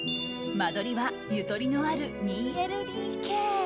間取りはゆとりのある２ＬＤＫ。